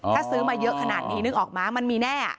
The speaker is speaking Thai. ถ้าซื้อมาเยอะขนาดนี้นึกออกมามันมีแน่